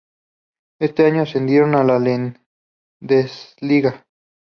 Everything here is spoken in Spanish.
Ese año ascendieron a la Landesliga.